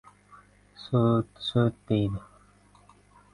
Sut, sut, deydi.